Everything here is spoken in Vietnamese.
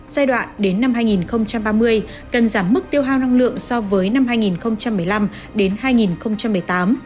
giai đoạn đến năm hai nghìn ba mươi cần giảm mức tiêu hao năng lượng so với năm hai nghìn một mươi năm đến hai nghìn một mươi tám